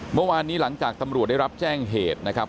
เมื่อวานนี้หลังจากตำรวจได้รับแจ้งเหตุนะครับ